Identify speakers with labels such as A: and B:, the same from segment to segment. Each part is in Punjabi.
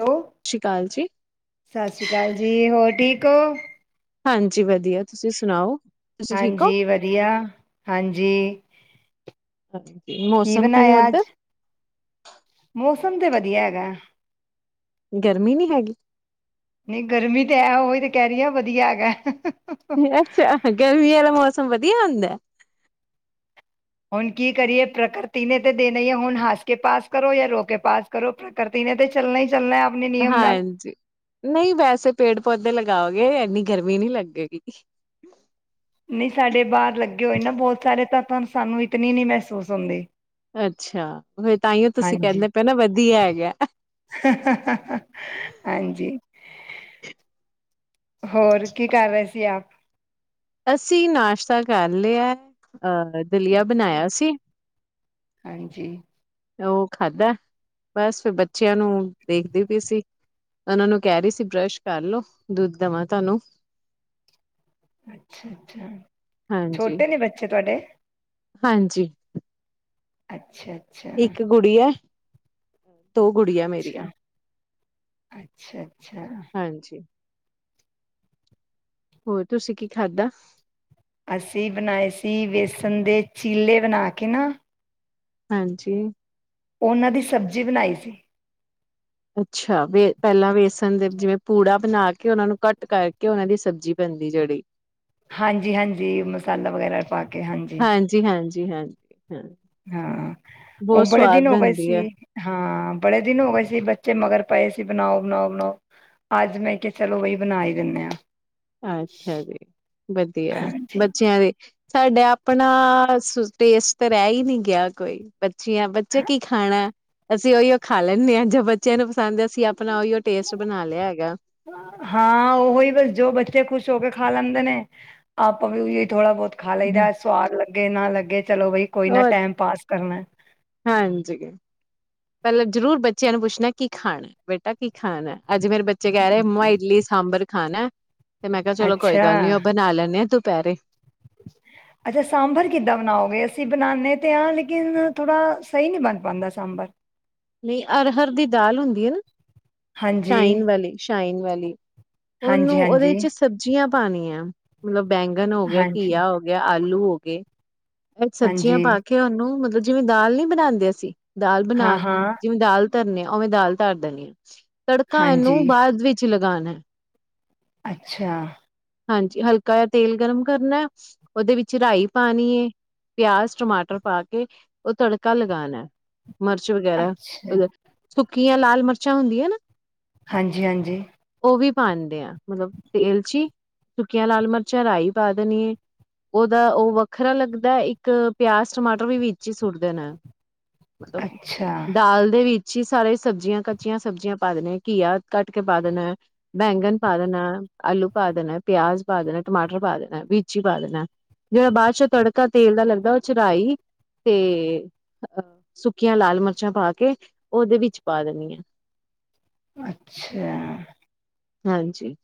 A: ਹੈਲੋ
B: ਸਤਿ ਸ਼੍ਰੀ ਅਕਾਲ ਜੀ।
A: ਸਤਿ ਸ਼੍ਰੀ ਅਕਾਲ ਜੀ ਹੋਰ ਠੀਕ ਹੋ।
B: ਹਾਂਜੀ ਵਧੀਆ ਤੁਸੀਂ ਸੁਣਾਓ? ਤੁਸੀਂ ਠੀਕ ਹੋ?
A: ਹਾਂਜੀ ਵਧੀਆ ਹਾਂਜੀ
B: ਹਾਂਜੀ,
A: ਕੀ
B: ਮੌਸਮ ਕਿਵੇਂ
A: ਬਣਾਇਆ ਅੱਜ
B: ਉੱਧਰ [inaudible]
A: ਮੌਸਮ ਤੇ ਵਧੀਆ ਹੈਗਾ।
B: ਗਰਮੀ ਨਹੀਂ ਹੈਗੀ।
A: ਨਹੀਂ ਗਰਮੀ ਤੇ ਹੈ ਉਹੀ ਤੇ ਕਹਿ ਰਹੀ ਆ ਵਧੀਆ ਹੈਗਾ [inaudible]
B: [inaudible] ਅੱਛਾ ਗਰਮੀਆਂ ਦਾ ਮੌਸਮ ਵਧੀਆ ਹੁੰਦਾ।
A: ਹੁਣ ਕੀ ਕਰੀਏ ਪ੍ਰਕਿਰਤੀ ਨੇ ਤਾਂ ਦੇਣਾ ਹੀ ਹੈ ਹੁਣ ਹਾੱਸ ਕੇ ਪਾਸ ਕਰੋ ਜਾਂ ਰੋ ਕੇ ਪਾਸ ਕਰੋ ਪ੍ਰਕਿਰਤੀ ਨੇ ਤੇ ਚੱਲਣਾ ਈ।
B: ਹਾਂਜੀ ਨਹੀਂ ਵੈਸੇ ਪੇੜ ਪੌਦੇ ਲਗਾਓਗੇ ਇੰਨੀ ਗਰਮੀ ਨਹੀਂ ਲੱਗੇਗੀ।
A: ਨ ਸਾਡੇ ਬਾਹਰ ਲੱਗੇ ਹੋਏ ਨਾ ਬਹੁਤ ਸਾਰੇ ਤਾਂ ਸਾਨੂੰ ਇਤਨੀ ਨੀ ਮਹਿਸੂਸ ਹੁੰਦੀ।
B: ਅੱਛਾ ਫਿਰ ਤਾਂਹੀਓ ਤੁਸੀਂ
A: ਹਾਂਜੀ
B: ਕਹਿੰਦੇ ਪਏ ਨਾ ਵਧੀਆ ਹੈਗਾ। [inaudible]
A: ਹਾਂਜੀ ਹੋਰ ਕੀ ਕਰ ਰਹੇ ਸੀ ਆਪ
B: ਅਸੀਂ ਨਾਸ਼ਤਾ ਕਰ ਲਿਆ। ਅਹ ਦਲੀਆ
A: ਅੱਛਾ
B: ਬਣਾਇਆ ਸੀ।
A: ਹਾਂਜੀ
B: ਉਹ ਖਾਧਾ ਬਸ ਫਿਰ ਬੱਚਿਆਂ ਨੂੰ ਦੇਖਦੀ ਪਈ ਸੀ ਉਹਨਾਂ ਨੂੰ ਕਹਿ ਰਹੀ ਸੀ ਬਰਸ਼ ਕਰਲਓ ਦੁੱਧ ਦੇਵਾਂ ਤੁਹਾਨੂੰ
A: ਅੱਛਾ -ਅੱਛਾ
B: ਹਾਂਜੀ,
A: ਛੋਟੇ ਨੇ ਬੱਚੇ ਤੁਹਾਡੇ
B: ਹਾਂਜੀ
A: ਅੱਛਾ ਅੱਛਾ
B: ਇੱਕ ਗੁੜੀ ਐ। [inaudible] ਦੋ ਗੁੜੀਐ
A: ਅੱਛਾ
B: ਮੇਰੀਆ।
A: ਅੱਛਾ ਅੱਛਾ
B: ਹਾਂਜੀ ਹੋਰ ਤੁਸੀਂ ਕੀ ਖਾਧਾ?
A: ਅਸੀਂ ਬਣਾਏ ਸੀ ਬੇਸਣ ਦੇ ਚੀਲੇ ਬਣਾ ਕੇ ਨਾ
B: ਹਾਂਜੀ
A: ਉਹਨਾਂ ਦੀ ਸਬਜ਼ੀ ਬਣਾਈ ਸੀ।
B: ਅੱਛਾ ਵੇ ਪਹਿਲਾਂ ਵੇਸਣ ਦੇ ਜਿਵੇਂ ਪੂੜਾ ਬਣਾ ਕੇ ਉਹਨਾਂ ਨੂੰ ਕੱਟ ਕਰਕੇ ਉਹਨਾਂ ਦੀ ਸਬਜ਼ੀ ਬਣਦੀ ਜਿਹੜੀ
A: ਹਾਂਜੀ ਹਾਂਜੀ ਮਸਾਲਾ ਵਗੈਰਾ ਪਾ ਕੇ ਹਾਂਜੀ
B: ਜੀ ਹਾਂ [inaudible]
A: ਹਾਂ ਉਹ
B: ਬਹੁਤ
A: ਬੜੇ
B: ਸਵਾਦ
A: ਦਿਨ ਹੋ ਗਏ
B: ਬਣਦੀ
A: ਸੀ
B: ਹੈ
A: ਹਾਂ ਬੜੇ ਦਿਨ ਹੋ ਗਏ ਸੀ ਬੱਚੇ ਮਗਰ ਪਏ ਸੀ ਬਣਾਓ ਬਣਾਓ ਬਣਾਓ ਅੱਜ ਮੈਂ ਕਿਹਾ ਚਲੋ ਬਈ ਬਣਾ ਹੀ ਦਿੰਨੇ ਆਂ।
B: ਹਾਂਜੀ ਹਾਂਜੀ ਬਦੀਆ
A: ਹਾਂਜੀ
B: ਬੱਚਿਆਂ ਦੇ ਸਾਡੇ ਆਪ ਆਪਣਾ ਸੁ ਟੇਸਟ ਤਾਂ ਰਹਿ ਹੀ ਨਹੀਂ ਗਿਆ ਕੋਈ ਅੱਛੀਆਂ ਬੱਚੇ ਕੀ ਖਾਣੈ ਅਸੀਂ ਉਹੀ ਉ ਖਾ ਲੈਂਨੇ ਆਂ ਜੋ ਬੱਚਿਆਂ ਨੂੰ ਪਸੰਦ ਅ ਅਸੀਂ ਆਪ
A: ਹਾਂ ਉਹ ਹੀ ਬਸ ਜੋ ਬੱਚੇ ਇੱਥੇ ਖੁਸ਼ ਹੋ ਕੇ ਖਾ ਲੈਂਦੇ ਨੇ ਆਪਾਂ ਵੀ ਉ ਥੋੜਾ ਬਹੁਤ ਖਾ ਲਈਦੈ ਸਵਾਦ ਲ ਅੱਗੇ ਨਾ ਲੱਗੇ ਚਲੋ ਬਈ ਕੋਈ ਨਾ
B: ਉਹ ਤੇ
A: ਟੈਮ ਪਾਸ ਕਰਨੈ
B: ਹਾਂਜੀ ਪਹਿਲਾ ਜਰੂਰ ਬੱਚਿਆਂ ਨੂੰ ਪੁੱਸ਼ਣੈ ਕੀ ਖਾਣੈ ਬੇਟਾ ਕੀ ਖਾਣੈ ਅੱਜ ਮੇਰੇ ਬੱਚੇ ਕਹਿ ਰਹੇ ਮੂੰਆ ਇਡਲੀ ਸਾਂਬਰ ਖਾਣੈ। ਤੇ ਮੈਂ ਕਿਹਾ ਚਲੋ ਕੋਈ ਗੱਲ ਨੀ
A: ਅੱਛਾ,
B: ਉਹ ਬਣਾ ਲੈਂਣੇੇ ਆ ਤੂੰ ਪੈਰੇ
A: ਅੱਛਾ ਸਾਂਬਰ ਕਿੱਦਾਂ ਬਣਾਓਗੇ ਅਸੀਂ ਬਣਾਣੇ ਤੇ ਆਂ ਲੇਕਿਨ ਥੋੜ੍ਹਾ ਸਹੀ ਨਹੀਂ ਬਣ ਪਾਂਦਾ ਸਾਂਬਰ।
B: ਨਹੀਂ ਅਰ ਹਰ ਦੀ ਦਾਲ ਹੁੰਦੀ ਹੈ ਨ
A: ਹਾਂਜੀ,
B: ਸਾਈਨ ਵਾਲੀ [unintelligible] ਈਨ ਵੈਲੀ ਉਹਨੂੰ ਉਹਦੇ
A: ਹਾਂਜੀ-ਹਾਂਜੀ,
B: ਚ ਸਬਜੀਆਂ ਪਾਣੀ ਆ ਮਤਲਬ ਬੈਂਗਨ ਹੋ ਗਿਆ
A: ਹਾਂਜੀ,
B: ਘੀਆ ਹੋ ਗਿਆ ਆਲੂ ਹੋ ਕੇ ਇਹ ਸਬਜ਼ੀਆਂ
A: ਹਾਂਜੀ,
B: ਪਾ ਕੇ ਉਹਨੂੰ ਮਤਲਬ ਜਿਵੇਂ ਦਾਲ ਨੀ ਬਣਾਉਂਦੇ ਅਸੀਂ ਦਾਲ ਬਣਾ ਕੇ
A: ਹਾਂ-ਹਾਂ,
B: ਜਿਵੇਂ ਦਾਲ ਧਰਨੇ ਆ ਉਵੇਂ ਦਾਲ ਤਰ ਦੇਣੀ ਤੁਸੀ ਤੜਕਾਾਂ
A: ਹਾਂਜੀ,
B: ਨੂੰ ਬਾਅਦ ਵਿੱਚ ਲਗਾਣਾ
A: ਅੱਛਾ
B: ਹਾਂਜੀ ਹਲਕਾ ਜਿਹਾ ਤੇਲ ਗਰਮ ਕਰਨਾ ਉਹਦੇ ਵਿੱਚ ਰਾਈ ਪਾਣੀ ਹੈ ਪਿਆਜ਼ ਟਮਾਟਰ ਪਾ ਕੇ ਉਹ ਤੜਕਾ ਲਗਾਉਣਾ ਮਿਰਚ ਵਗੈਰਾ
A: ਅੱਛਾ,
B: ਸੁੱਕੀਆਂ ਲਾਲ ਮਿਰਚਾਂ ਹੁੰਦੀਆਂ ਨਾ
A: ਹਾਂਜੀ-ਹਾਂਜੀ
B: ਉਹ ਵੀ ਪਾਉਂਦੇ ਆ ਮਤਲਬ ਤੇਲਚੀ ਸੁੱਕੀਆਂ ਲਾਲ ਮਿਰਚਾਂ ਰਹੀਂ ਪਾ ਦੇਣੀ ਹੈ ਉਹਦਾ ਉਹ ਵੱਖਰਾ ਲੱਗਦਾ ਇੱਕ ਪਿਆਜ਼ ਟਮਾਟਰ ਵੀ ਵਿੱਚ ਹੀ ਸੁੱਟ ਦੇਣਾ ਮਤਲਬ ਕਿ
A: ਅੱਛਾ,
B: ਦਾਲ ਦੇ ਵਿੱਚ ਅੀ ਸਾਰੇ ਸਬਜ਼ੀਆਂ ਕੱਚੀਆਂ ਸਬਜ਼ੀਆਂ ਪਾ ਦੇਣੇ ਘੀਆ ਕੱਟ ਕੇ ਪਾ ਦੇਣਾ ਬੈਂਗਨ ਪਾ ਦੇਣਾ ਆਲੂ ਪਾ ਦੇਣਾ ਪਿਆਜ਼ ਪਾ ਦੇਣਾ ਟਮਾਟਰ ਪਾ ਦੇਣਾ ਬਜੀੀ ਪਾ ਦੇਣਾ ਜਿਹੜਾ ਬਾਅਦ ਚੋਂ ਤੜਕਾ ਤੇਲ ਦਾ ਲੱਗਦਾ ਉਹ ਚਰਾਾਈ ਤੇ ਅਹ ਸੁੱਕੀਆਂ ਲਾਲ ਮਿਰਚਾਂ ਪਾ ਕੇ ਉਹਦੇ ਵਿੱਚ ਪਾ ਦੇਦੀ ਆ
A: ਅੱਛਾ
B: ਹਾਂਜੀ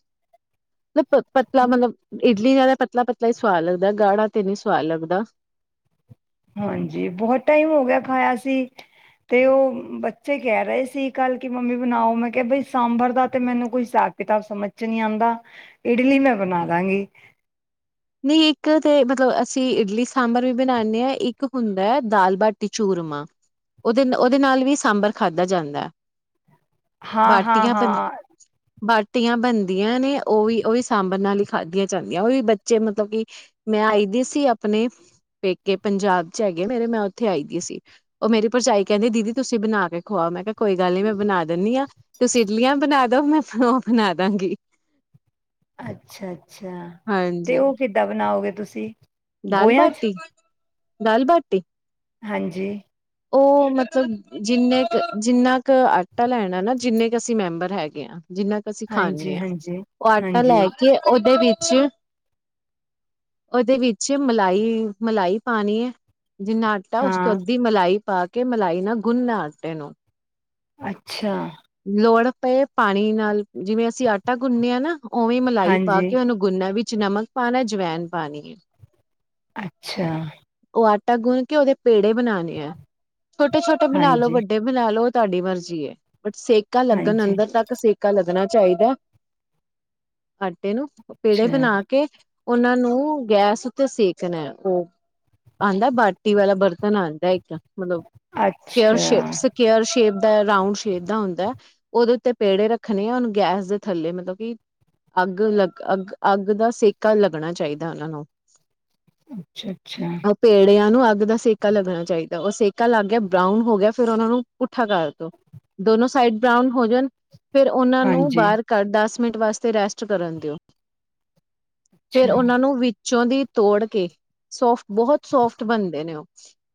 B: ਪਤਲਾ ਮਤਲਬ ਇਡਲੀ ਜਿਆਦਾ ਪਤਲਾ-ਪਤਲਾ ਹੀ ਸਵਾਦ ਲੱਗਦਾ ਗਾੜਾ ਤੇ ਨੀ ਸਵਾਦ ਲੱਗਦਾ
A: ਹਾਂਜੀ ਬਹੁਤ ਟਾਈਮ ਹੋ ਗਿਆ ਖਾਇਆ ਸੀ ਤੇ ਉਹ ਬੱਚੇ ਕਹਿ ਰਹੇ ਸੀ ਕੱਲ ਕਿ ਮੰਮੀ ਬਣਾਓ ਮੈਂ ਕਿਹਾ ਬਈ ਸਾਂਬਰ ਦਾ ਤੇ ਮੈਨੂੰ ਕੋਈ ਹਿਸਾਬ ਕਿਤਾਬ ਸਮਝ ਚ ਨਹੀਂ ਆਉਂਦਾ ਇਡਲੀ ਮੈਂ ਬਣਾ ਦਾਂਗੀ
B: ਨਹੀਂ ਇੱਕ ਤਾਂ ਮਤਲਬ ਅਸੀਂ ਇਡਲੀ ਸਾਂਬਰ ਵੀ ਬਣਾਉਂਦੇ ਹਾਂ ਇੱਕ ਹੁੰਦਾ ਹੈ ਦਾਲ ਬਾਟੀ ਚੂਰਮਾ ਉਹਦੇ ਉਹਦੇ ਨਾਲ ਵੀ ਸਾਂਬਰ ਖਾਧਾ ਜਾਂਦਾ ਹੈ
A: ਹਾਂ
B: ਬਾਟੀਆਂ ਬਣ
A: ਹਾਂ-ਹਾਂ
B: ਬਾਟੀਆਂ ਬਣਦੀਆਂ ਨੇ ਉਹ ਵੀ ਉਹ ਵੀ ਸਾਂਬਰ ਨਾਲ ਹੀ ਖਾਧਆਂ ਜਾਂਦੀਆਂ ਉਹ ਵੀ ਮਤਲਬ ਕਿ ਮੈਂ ਆਈ ਦੀ ਸੀ ਆਪਣੇ ਪੇਕੇ ਪੰਜਾਬ ਚ ਹੈਗੇ ਮੇਰੇ ਮੈਂ ਉੱਥੇ ਆਈ ਦੀ ਸੀ ਉਹ ਮੇਰੀ ਭਰਜਾਈ ਕਹਿੰਦੀ ਦੀਦੀ ਤੁਸੀਂ ਬਣਾ ਕੇ ਖਵਾਓ ਮੈਂ ਕਿਹਾ ਕੋਈ ਗੱਲ ਨੀ ਮੈਂ ਬਣਾ ਦਿੰਦੀ ਹਾਂ ਤੁਸੀਂ ਇਡਲੀਆਂ ਬਣਾ ਦੋ ਮੈਂ ਉਹ ਬਣਾ ਦਵਾਂਗੀ
A: ਅੱਛਾ-ਅੱਛਾ ਤੇ
B: ਹਾਂਜੀ
A: ਉਹ ਖਰੀਦਾ ਬਣਾਓਗੇ ਤੁਸੀਂ
B: ਦਾਲ
A: ਗੋਇਆਂ ਚ
B: ਬਾਟੀ ਦਾਲ ਬਾਟੀ
A: ਹਾਂਜੀ
B: ਉਹ ਮਤਲਬ ਜਿੰਨੇ ਕੁ ਜਿੰਨਾ ਕੁ ਆਟਾ ਲੈਣਾ ਨਾ ਜਿੰਨੇ ਕੁ ਅਸੀਂ ਮੈਂਬਰ ਹੈਗੇ ਹਾਂ ਜਿੰਨਾ ਕੁ ਅਸੀਂ
A: ਹਾਂਜੀ
B: ਖਾਂਦੇ ਹਾਂ
A: ਹਾਂਜੀ
B: ਉਹ ਆਟਾ
A: ਹਾਂਜੀ
B: ਲੈ ਕੇ ਉਹਦੇ ਵਿੱਚ ਉਹਦੇ ਵਿੱਚ ਮਲਾਈ-ਮਲਾਈ ਪਾਣੀ ਹੈ ਜਿੰਨਾ ਆਟਾ ਉਸ ਤੋਂ
A: ਹਾਂ
B: ਅੱਧੀ ਮਲਾਈ ਪਾ ਕੇ ਮਲਾਈ ਨਾ ਗੁੰਨ ਨਾ ਆਟੇ ਨੂੰ
A: ਅੱਛਾ
B: ਲੋੜ ਪਏ ਪਾਣੀ ਨਾਲ ਜਿਵੇਂ ਅਸੀਂ ਆਟਾ ਗੁੰਨੇ ਹਾਂ ਨਾ। ਉਵੇਂ ਮਲਾਈ ਪਾ
A: ਹਾਂਜੀ
B: ਕੇ ਉਹਨੂੰ ਗੁੰਨਾ ਵਿੱਚ। ਚ ਨਮਕ ਪਾਣਾ ਜਵੈਨ ਪਾਣੀ ਹੈ।
A: ਅੱਛਾ।
B: ਉਹ ਆਟਾ ਗੁੰਨ ਕੇ ਉਹਦੇ ਪੇੜੇ ਬਣਾਉਣੇ ਹੈ। ਛੋਟੇ ਛੋਟੇ ਬਨਾ ਲੋ
A: ਹਾਂਜੀ
B: ਵੱਡੇ ਬਨਾਲੋ। ਤੁਹਾਡੀ ਮਰਜ਼ੀ ਏ। ਬਟ ਸੇਕਾ ਲੱਗਣ
A: ਹਾਂਜੀ
B: ਅੰਦਰ ਤੱਕ ਸੇਕਾ ਲੱਗਣਾ। ਚਾਹੀਦਾ ਹਾ ਬਟੇ ਨੂੰ ਪੇੜੇ
A: ਅੱਛਾ
B: ਬਣਾ ਕੇ। ਉਹਨਾਂ ਨੂੰ ਗੈਸ ਉੱਤੇ ਸੇਕਣਾ ਉਹ। ਆਉਂਦਾ ਬਾਟੀ ਵਾਲਾ ਬਰਤਨ ਆਉਂਦਾ ਇੱਕ। ਮਤਲਬ--ਸਕੇਅਰ ਸ਼ੇਪ
A: ਅੱਛਾ
B: ਸਕੇਅਰ ਸ਼ੇਪ। ਦਾ ਰਾਊਂਡ ਸ਼ੇਪ ਦਾ ਹੁੰਦਾ ਉਹਦੇ ਉੱਤੇ ਪੇੜੇ ਰੱਖਣੇ ਆ ਉਹਨੂੰ ਗੈਸ ਦੇ ਥੱਲੇ ਮਤਲਬ ਕਿ ਅੱਗ ਲੱਗ ਅੱਗ ਅੱਗ ਦਾ ਸੇਕਾ ਲੱਗਣਾ ਚਾਹੀਦਾ ਉਹਨਾਂ ਨੂੰ।
A: ਅੱਛਾ ਅੱਛਾ
B: ਉਹ ਪੇੜਿਆਂ ਨੂੰ ਅੱਗ ਦਾ ਸੇਕਾ ਲੱਗਣਾ ਚਾਹੀਦਾ। ਉਹ ਸੇਕਾ ਲੱਗ ਗਿਆ ਬਰਾਊਨ ਹੋ ਗਿਆ ਫੇਿਰ ਉਹਨਾਂ ਨੂੰ ਪੁੱਠਾ ਕਰ ਤੋਂ ਦੋਨੋ ਸਾਈਡ ਬਰਾਊਨ ਹੋ ਜਾਣ। ਫੇਿਰ ਉਹਨਾਂ ਨੂੰ
A: ਹਾਂਜੀ
B: ਬਾਹਰ ਕੱਦਾੱਸ। ਮਿੰਟ ਵਾਸਤੇ ਰੈਸਟ ਕਰਨ ਦਿਓ।
A: ਅੱਛਾ
B: ਫੇਿਰ ਉਹਨਾਂ ਨੂੰ। ਚੋਂ ਦੀ ਤੋੜ ਕੇ ਸੋਫ। ਬਹੁਤ ਸੋਫਟ ਬਣਦੇ ਨੇ ਉਹ।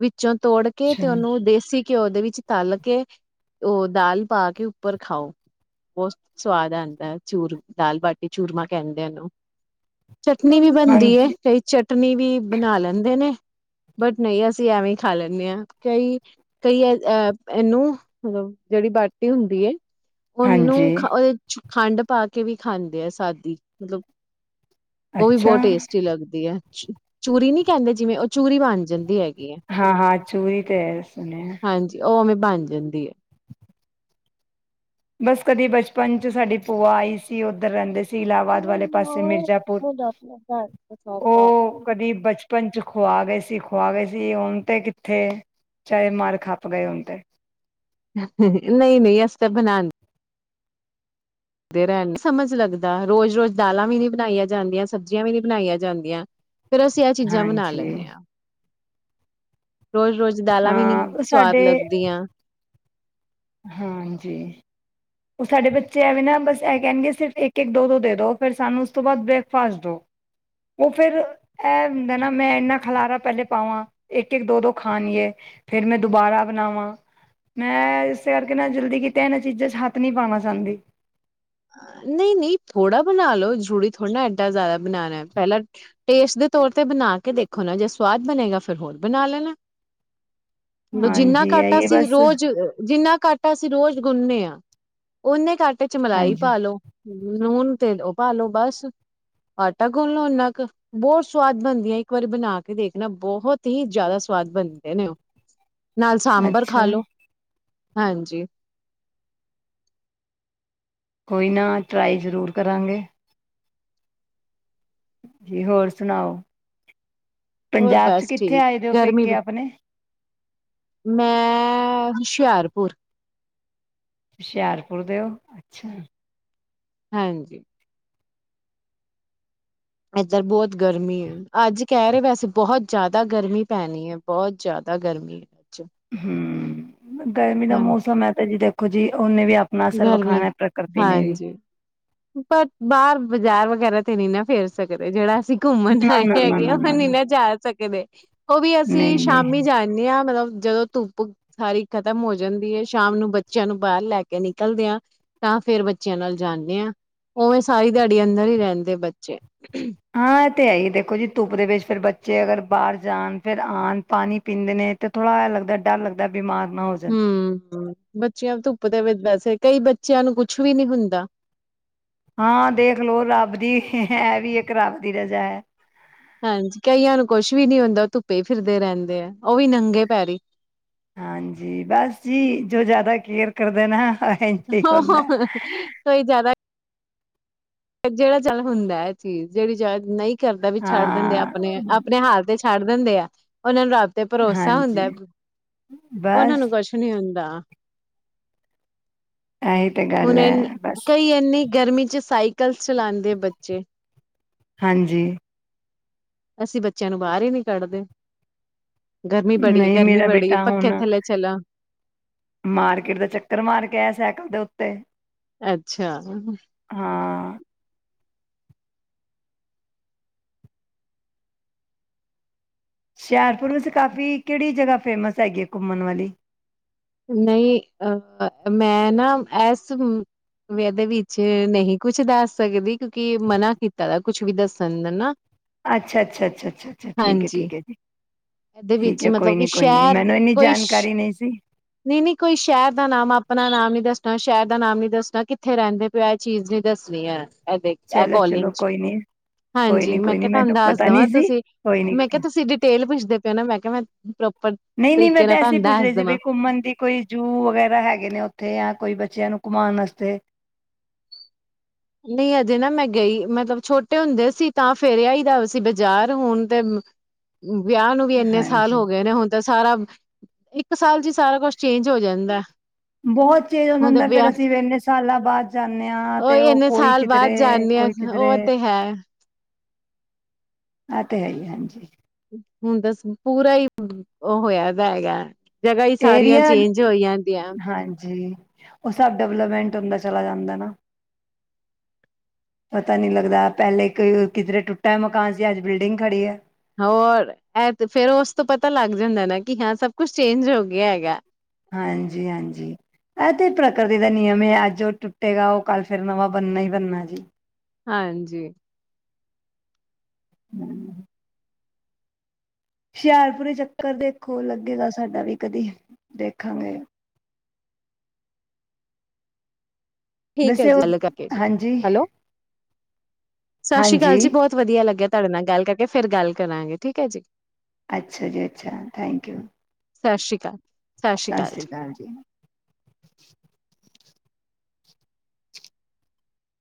B: ਵਿੱਚੋਂ ਤੋੜ ਕੇ
A: ਅੱਛਾ
B: ਤੇ ਉਹਨੂੰ ਦੇਸੀ ਘਿਓ ਦੇ ਵਿੱਚ। ਤਲ ਕੇ ਉਹ ਦਾਲ ਪਾ ਕੇ ਉੱਪਰ ਖਾਓ ਬਹੁਤ ਸਵਾਦ ਆਉਂਦਾ ਚੂਰ ਦਾਲ ਬਾਟੀ ਚੂਰਮਾ ਕਹਿੰਦੇ ਨੂੰ। ਚਟਨੀ ਵੀ ਬਣਦੀ ਹੈ
A: ਹਾਂਜੀ
B: ਕਈ ਚਟਨੀ ਵੀ ਬਣਾ ਲੈਨ। ਬਟ ਨਹੀਂ ਅਸੀਂ ਐਵੇਂ ਹੀ ਖਾ ਲੈਂਦੇ ਹਾਂ ਕਈ ਕਈ ਅਹ ਇਹਨੂੰ ਮਤਲਬ ਜਿਹੜੀ ਬਾਟੀ ਹੁੰਦੀ। ਉਹਨੂੰ
A: ਹਾਂਜੀ
B: [unintelligible] ਖੰਡ ਪਾ ਕੇ ਵੀ ਖਾਂਦੇ ਆ ਸਾਦੀ ਮਤਲਬ। ਉਹ ਵੀ
A: ਅੱਛਾ
B: ਬਹੁਤ ਟੇਸਟੀ ਲੱਗਦੀ ਹੈ। ਚ ਚੂਰੀ ਨੀ। ਕਹਿੰਦੇ ਜਿਵੇਂ ਉਹ ਚੂਰੀ ਬਣ ਜਾਂਦੀ ਹੈਗੀ। ਹੈ
A: ਹਾਂ ਹਾਂ ਚੂਰੀ ਤੇ ਹੈ ਸੁਣਿਆ।
B: ਹਾਂਜੀ ਉਹ ਉਵੇਂ ਬਣ ਜਾਂਦੀ ਹੈ।
A: ਬਸ ਕਦੀ ਬਚਪਨ ਚ ਸਾਡੀ ਭੂਆ ਆਈ ਸੀ ਉੱਧਰ ਰਹਿੰਦੇ ਸੀ। ਸੀ ਇਲਾਬਾਦ ਵਾਲੇ ਪਾਸੇ ਮਿਰਜ਼ਾਪੁਰ ਉਹ ਕਦੀ ਬਚਪਨ ਚ ਖੁਆ ਗਏ ਸੀ। ਸੀ ਖਵਾ ਗਏ ਸੀ ਓਨ ਤੇ ਕਿੱਥੇ ਚਾਹੇ ਮਰ ਖੱਪ ਗਏ ਹੂਨ ਤੇ।
B: ਨਹੀਂ ਨਹੀਂ ਅਸੀ ਤਾਂ ਬਣਾਉਣ। ਤੇਰਾਏ ਸਮਝ ਨਹੀ ਲੱਗਦਾ ਰੋਜ਼- ਰੋਜ਼ ਦਾਲਾਂ ਵੀ ਨਹੀ ਬਣਾਈਆਂ ਜਾਂਦੀਆਂ ਸਬਜੀਆਂ ਵੀ ਨਹੀ ਬਣਾਈਆਂ ਜਾਂਦੀਆਂ ਫੇਰ ਅਸੀ ਇਹ ਚੀਜ਼ਾਂ ਬਣਾ
A: ਹਾਂਜੀ
B: ਲੈਂਦੇ ਹਾਂ। ਰੋਜ਼- ਰੋਜ਼ ਦਾਲਾਂ ਵੀ
A: ਹਾਂ
B: ਨਹੀ
A: ਉਹ
B: ਸਵਾਦ
A: ਸਾਡੇ
B: ਲੱਗਦੀਆਂ।
A: ਹਾਂਜੀ ਉਹ ਸਾਡੇ ਬੱਚੇ ਐਵੇਂ ਨਾ ਬਸ ਇਹ ਕਹਿਣਗੇ ਸਿਰਫ ਇਕ- ਇਕ ਦੋ -ਦੋ ਫਿਰ ਸਾਨੂੰ ਉਸ ਤੋਂ ਬਾਅਦ ਬ੍ਰੇਕਫਾਸਟ ਦੋ ਉਹ ਫਿਰ ਇਹ ਹੁੰਦਾ ਨਾ ਮੈਂ ਇਨਾ ਖਲਾਰਾ ਪਹਿਲੇ ਪਾਵਾਂ ਇਕ- ਇਕ ਦੋ- ਦੋ ਖਾਣਏ ਫੇਰ ਮੈਂ ਦੁਬਾਰਾ ਬਣਾਵਾਂ ਮੈਂ ਇਸ ਇਸ ਕਰਕੇ ਨਾ ਜਲਦੀ ਕਿ ਕੀਤੇ ਇਹਨਾਂ ਚੀਜ਼ਾਂ ਚ' ਹੱਥ ਨਹੀ ਪਾਉਣਾ ਚਾਹਦੀ।
B: ਨਹੀ ਨਹੀ ਥੋੜ੍ਹਾ ਬਣਾ ਲਓ ਜ਼ਰੂਰੀ ਥੋੜ੍ਹਾ ਨਾ ਐਡਾ ਜ਼ਿਆਦਾ ਬਣਾਉਣਾ ਪਹਿਲਾਂ ਟੇਸਟ ਦੇ ਤੌਰ ਤੇ ਬਣਾ ਕੇ ਦੇਖੋ ਜੇ ਸਵਾਦ ਬਣੇਗਾ ਫਿਰ ਹੋਰ ਬਣਾ ਲੈਣਾ ਜਿੰਨਾ
A: ਹਾਂਜੀ
B: ਆਟਾ
A: ਆਈਏ
B: ਸੀ
A: ਬਸ
B: ਰੋਜ਼ ਜਿੰਨਾ ਆਟਾ ਸੀ ਰੋਜ਼ ਗੁੰਨੇ ਆ ਉਹਨੇ ਕੇ ਆਟੇ ਵਿਚ ਮਲਾਈ
A: ਹਾਂਜੀ
B: ਪਾ ਲੋ ਲੂਣ ਤੇਲ ਪਾਲੋ ਬਸ ਆਟਾ ਗੁੰਨ ਲਓ ਉਨਾ ਕੋ ਬਹੁਤ ਸਵਾਦ ਬਣਦੀਆਂ ਇੱਕ ਵਾਰੀ ਬਣਾ ਕੇ ਦੇਖਣਾ ਬਹੁਤ ਹੀ ਜ਼ਿਆਦਾ ਸਵਾਦ ਬਣਦੇ ਨੇ ਉਹ ਨਾਲ ਸਾਂਬਰ ਖਾ
A: ਅੱਛਾ
B: ਲੋੋ ਹਾਂਜੀ-
A: ਕੋਈ ਨਾ ਟਰਾਈ ਜਰੂਰ ਕਰਾਂਗੇ। ਜੀ ਹੋਰ ਸੁਣਾਓ
B: ਹੋਰ
A: ਪੰਜਾਬ ਚ
B: ਬਸ
A: ਕਿੱਥੇ
B: ਠੀਕ
A: ਆਏ ਦੇ ਹੋ
B: ਗਰਮੀ
A: ਪੇਕੇ ਆਪਣੇ।
B: ਮੈਂ ਹੁਸ਼ਿਆਰਪੁਰ
A: ਹੁਸ਼ਿਆਰਪੁਰ ਦਿਓ ਅੱਛਾ
B: ਹਾਂਜੀ- ਇੱਧਰ ਬਹੁਤ ਗਰਮੀ ਹੈ। ਅੱਜ ਕਹਿ ਰਹੇ ਵੈਸੇ ਬਹੁਤ ਜਿਆਦਾ ਗਰਮੀ ਪੈਣੀ ਹੈ। ਬਹੁਤ ਜ਼ਿਆਦਾ ਗਰਮੀ ਹੈ। ਅੱਜ
A: ਹੂੰ ਗਰਮੀ ਦਾ
B: ਹਾਂ
A: ਮੌਸਮ ਐ ਤਾਂ ਜੀ ਦੇਖੋ ਜੀ ਉਹਨੇ ਵੀ ਆਪਣਾ ਅਸਰ
B: ਗਰਮੀ
A: ਵਿਖਾਣਾ ਪ੍ਰਕਿਰਤੀ ਨੇ ਵੀ
B: ਹਾਂਜੀ ਪਰ ਬਾਹਰ ਬਾਜ਼ਾਰ ਵਗੈਰਾ ਤੇ ਨਹੀ ਨਾ ਫੀਰ ਸਕਦੇ ਜਿਹੜਾ ਅਸੀਂ ਘੁੰਮਣ
A: ਨਾ
B: ਆਏ
A: ਨਾ ਨਾ
B: ਹੈਗੇ
A: ਨਾ
B: ਆ ਨਹੀਂ ਨਾ ਸਕਦੇ ਉਹ ਵੀ ਅਸੀ
A: ਨਹੀਂ ਨਹੀਂ
B: ਸ਼ਾਮੀ ਜਾਣੇ ਆ ਮਤਲਬ ਜਦੋਂ ਧੁੱਪ ਸਾਰੀ ਖਤਮ ਹੋ ਜਾਂਦੀ ਹੈ। ਸ਼ਾਮ ਨੂੰ ਬੱਚਿਆਂ ਨੂੰ ਬਾਹਰ ਲੈ ਕੇ ਨਿਕਲਦੇ ਆ ਤਾਂ ਫੇਰ ਬੱਚਿਆਂ ਨਾਲ ਜਾਣੇ ਆ ਉਵੇਂ ਸਾਰੀ ਦਿਹਾੜੀ ਅੰਦਰ ਹੀ ਰਹਿੰਦੇ ਬੱਚੇ
A: ਹਾਂ ਇਹ ਤੇ ਹੈ। ਹੀ ਦੇਖੋ ਜੀ ਧੁੱਪ ਦੇ ਵਿੱਚ ਫਿਰ ਬੱਚੇ ਅਗਰ ਬਾਹਰ ਜਾਣ ਫੇਰ ਆਣ ਪਾਣੀ ਪੀਂਦੇ ਨੇ ਤੇ ਥੋੜਾ ਇਹ ਲੱਗਦਾ ਡਰ ਲੱਗਦਾ ਬਿਮਾਰ ਨਾ ਹੋ ਜਾਣ
B: ਹੂੰ ਹੂੰ ਬੱਚਿਆਂ ਧੁੱਪ ਦੇ ਵਿੱਚ ਵੈਸੇ ਕਈ ਬੱਚਿਆਂ ਨੂੰ ਕੁਛ ਵੀ ਨਹੀ ਹੁੰਦਾ।
A: ਹਾਂ ਦੇਖ ਲਓ ਰੱਬ ਦੀ ਐ ਵੀ ਇੱਕ ਰੱਬ ਦੀ ਰਜਾ ਹੈ।
B: ਹਾਂਜੀ ਕਈਆਂ ਨੂੰ ਕੁਛ ਵੀ ਨੀ ਹੁੰਦਾ ਉਹ ਧੁੱਪੇ ਫਿਰਦੇ ਰਹਿੰਦੇ ਆ ਉਹ ਵੀ ਨੰਗੇ ਪੈਰੀ
A: ਹਾਂਜੀ ਬਸ ਜੀ ਜੋ ਜ਼ਿਆਦਾ ਕੇਅਰ ਕਰਦੇ ਨਾ ਇੰਝ ਹੀ ਹੁੰਦਾ
B: ਕੋਈ ਜ਼ਿਆਦਾ ਜਿਹੜਾ ਜਲ ਹੁੰਦਾ ਹੈ। ਜਿਹੜੀ ਜਲ ਨਹੀਂ ਘਰ ਵੀ ਛੱਡ ਦਿੰਦੇ ਆ ਆਪਣੇ
A: ਹਾਂ
B: ਆਪਣੇ ਹਾਲ ਦੇ। ਛੱਡ ਦਿੰਦੇ ਆ ਉਹਨਾਂ ਨੂੰ । ਰੱਬ ਤੇ ਭਰੋਸਾ ਹੁੰਦਾ
A: ਹਾਂਜੀ
B: ਉਹਨਾਂ
A: ਬਸ
B: ਨੂੰ ਕੁਛ ਨੀ ਹੁੰਦਾ। ਹੁੰਦਾ।
A: ਇਹੀ ਤਾਂ
B: ਹੁਣ
A: ਗੱਲ ਹੈ ਬਸ।
B: ਕਈ ਇੰਨੀ ਗਰਮੀ ਚ ਸਾਈਕਲ ਚਲਾਉਂਦੇ ਬੱਚੇ?
A: ਹਾਂਜੀ।
B: ਅਸੀਂ ਬੱਚਿਆਂ ਨੂੰ ਬਾਹਰ ਹੀ ਨਹੀ ਕੱਢਦੇ। ਗਰਮੀ ਬੜੀ ਹੈ
A: ਨਹੀਂ
B: ਗਰਮੀ
A: ਮੇਰਾ
B: ਬੜੀ ਹੈ
A: ਬੇਟਾ
B: ਪੱਖੇ
A: ਹੁਣ
B: ਥੱਲੇ ਚਲਾ
A: ਮਾਰਕੀਟ ਦਾ ਚੱਕਰ ਮਾਰ ਕੇ ਆਇਆ ਸਾਈਕਲ ਦੇ ਉੱਤੇ
B: ਅੱਛਾ
A: ਹਾਂ। ਹੁਸ਼ਿਆਰਪੁਰ ਵਿੱਚ ਕਾਫੀ ਕਿਹੜੀ ਜਗ੍ਹਾ ਫੇਮਸ ਹੈਗੀ ਹੈ ਘੁੰਮਣ ਵਾਲੀ?
B: ਨਹੀਂ ਅ ਮੈਂ ਨਾ ਇਸਦੇ ਵਿੱਚ ਨਹੀਂ ਕੁਛ ਦੱਸ ਸਕਦੀ ਕਿਉਂਕਿ ਮਨਾ ਕੀਤਾ ਦਾ ਕੁਛ ਵੀ ਦੱਸਣ ਦਾ ਨਾ।
A: ਅੱਛਾ ਅੱਛਾ ਅੱਛਾ ਅੱਛਾ ਅੱਛਾ ਠੀਕ ਹੈ
B: ਹਾਂਜੀ
A: ਠੀਕ ਹੈ ਜੀ
B: ਇਹਦੇ
A: ਠੀਕ
B: ਵਿੱਚ
A: ਹੈ ਕੋਈ
B: ਮਤਲਬ ਕਿ
A: ਨੀ ਕੋਈ ਨੀ ਮੈਨੂੰ ਇੰਨੀ ਜਾਣਕਾਰੀ ਨਹੀਂ ਸੀ।
B: ਨਹੀਂ ਨਹੀਂ ਕੋਈ ਸ਼ਹਿਰ ਦਾ ਨਾਮ ਆਪਣਾ ਨਾਮ ਨੀ ਦੱਸਣਾ ਸ਼ਹਿਰ ਦਾ ਨਾਮ ਨੀ ਦੱਸਣਾ ਕਿੱਥੇ ਰਹਿੰਦੇ ਪਏ ਇਹ ਚੀਜ਼ ਹੀ ਦੱਸਣੀ ਹੈ? ਐ ਦੇਖ ਇਹ
A: ਚਲੋ
B: ਕੌਲਗੀ
A: ਚਲੋ
B: 'ਚ
A: ਕੋਈ ਨੀ ਕੋਈ
B: ਹਾਂਜੀ
A: ਨੀ
B: ਮੈਂ
A: ਕੋਈ
B: ਕਿਹਾ
A: ਨੀ
B: ਤੁਹਾਨੂੰ
A: ਮੈਨੂੰ
B: ਦੱਸ
A: ਪਤਾ
B: ਦੇਵਾਂ
A: ਨੀ ਸੀ
B: ਤੁਸੀਂ
A: ਕੋਈ ਨੀ
B: ਮੈਂ ਕਿਹਾ
A: ਕੋਈ
B: ਤੁਸੀਂ ਡਿਟੇਲ ਪੁੱਛਦੇ ਪਏ ਹੋ ਨਾ ਮੈਂ ਕਿਹਾ ਮੈਂ? ਪਰ।
A: ਨਹੀਂ ਨਹੀਂ ਮੈਂ ਤਾਂ ਐਸੇ ਹੀ ਪੁੱਛ ਰਹੀ ਸੀ ਵੀ ਘੁੰਮਣ ਦੀ। ਕੋਈ ਜੂ ਵਗੈਰਾ ਹੈਗੇ ਨੇ ਉੱਥੇ ਜਾਂ ਕੋਈ ਬੱਚਿਆਂ ਨੂੰ ਘੁੰਮਾਉਣ ਵਾਸਤੇ।
B: ਨਹੀਂ ਅਜੇ ਨਾ ਮੈਂ ਗਈ ਮਤਲਬ ਛੋਟੇ ਹੁੰਦੇ ਸੀ ਤਾਂ ਫਿਰਿਆ ਹੀ ਦਾ ਸੀ ਬਜ਼ਾਰ ਹੁਣ ਤੇ। ਵਿਆਹ ਨੂੰ ਵੀ ਇੰਨੇ ਸਾਲ
A: ਹਾਂਜੀ
B: ਹੋ ਗਏ ਨੇ ਹੁਣ ਤਾਂ? ਸਾਰਾ ਇੱਕ ਸਾਲ ਚੀ ਸਾਰਾ ਕੁਛ ਚੇਜ ਹੋ ਜਾਂਦਾ ਹੈ?
A: ਬਹੁਤ ਚੇਜ ਹੁੰਦਾ ਫਿਰ ਅਸੀਂ ਇੰਨੇ ਸਾਲਾਂ ਬਾਅਦ ਜਾਂਦੇ ਹਾਂ ਤੇ ਉਹ ਕੋਈ।
B: ਸਾਲ ਬਾਅਦ
A: ਕਿਧਰੇ
B: ਜਾਦੇ ਹਾਂ ਉਹ ਤੇ ਹੈ।
A: ਐ ਤੇ ਹੈ ਹੀ ਹਾਂਜੀ।
B: ਹੁਣ ਦੱਸੋ ਪੂਰਾ ਹੀ ਉਹ ਹੋਇਆ ਦਾ ਹੈਗਾ। ਜਗ੍ਹਾ ਹੀ
A: ਇਹ ਵੀ
B: ਸਾਰੀਆਂ ਚੇਂਜ ਹੋਈ ਜਾਂਦੀਆਂ
A: ਹਾਂਜੀ ਉਹ ਸਭ ਡਿਵਲਪਮੈਂਟ । ਚਲਾ ਜਾਂਦਾ ਨਾ ਪਤਾ ਨਹੀਂ ਲੱਗਦਾ ਪਹਿਲੇ ਕਿਧਰੇ ਟੁੱਟਾ ਮਕਾਨ ਸੀ ਅੱਜ ਬਿਲਡਿੰਗ ਖੜੀ ਹੈ।
B: ਹੋਰ ਇਹ ਫਿਰ ਉਸ ਤੋਂ ਪਤਾ ਲੱਗ ਜਾਂਦਾ ਨਾ ਕਿ ਹਾਂ ਸਭ ਕੁਛ ਚੇਂਜ ਹੋ ਗਿਆ ਹੈਗਾ।
A: ਹਾਂਜੀ ਹਾਂਜੀ ਇਹ ਤੇ ਪ੍ਰਕਿਰਤੀ ਦਾ ਨਿਯਮ ਹੈ ਅੱਜ ਉਹ ਟੁੱਟੇਗਾ ਉਹ ਕੱਲ ਫਿਰ ਨਵਾਂ ਬਣਨਾ ਹੀ ਬਣਨਾ ਜੀ।
B: ਹਾਂਜੀ।
A: ਹੂੰ। ਹੁਸ਼ਿਆਰਪੁੁਰ ਚੱਕਰ ਦੇਖੋ ਲੱਗੇਗਾ ਸਾਡਾ ਵੀ ਕਦੀ ਦੇਖਾਂਗੇ?
B: ਠੀਕ ਹੈ
A: ਵੈਸੇ
B: ਜੀ
A: ਉਹ
B: ਗੱਲ ਕਰਕੇ ਜੀ
A: ਹਾਂਜੀ।
B: ਹੈਲੋ ਸਤਿ ਸ੍ਰੀ ਅਕਾਲ ਜੀ
A: ਹਾਂਜੀ
B: ਬਹੁਤ ਵਧੀਆ ਲੱਗਿਆ ਹੈ? ਤੁਹਾਡੇ ਨਾਲ ਗੱਲ ਕਰਕੇ ਫਿਰ ਗੱਲ ਕਰਾਂਗੇ ਠੀਕ ਹੈ ਜੀ।
A: ਅੱਛਾ ਜੀ ਅੱਛਾ ਥੈਂਕ ਯੂ।
B: ਸਤਿ ਸ਼੍ਰੀ ਅਕਾਲ।
A: ਸਤਿ ਸ਼੍ਰੀ ਅਕਾਲ ਜੀ